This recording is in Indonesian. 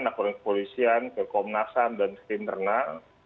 nakoling ke polisian ke komnasan dan ke internal